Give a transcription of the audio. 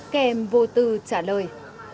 xe đuổi tuổi đi